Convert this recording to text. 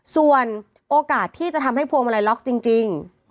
ส่วนโอกาสที่จะทำให้พวงมาลัยล็อกจริง